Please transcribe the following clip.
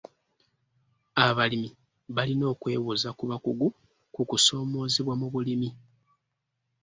Abalimi balina okwebuuza ku bakugu ku kusoomoozebwa mu bulimi.